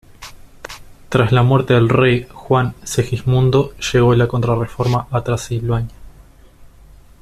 Tras la muerte del rey Juan Segismundo llegó la Contrarreforma a Transilvania.